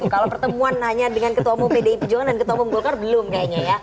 kalau pertemuan hanya dengan ketua bukalapak dan ketua bukalapak belum kayaknya ya